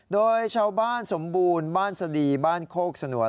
โดยชาวบ้านสมบูรณ์บ้านสดีบ้านโคกสนวน